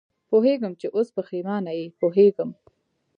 پوهېږم چې اوس پېښېمانه یې، پوهېږم.